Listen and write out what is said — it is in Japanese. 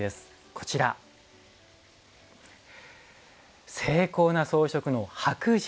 こちら、精巧な装飾の白磁。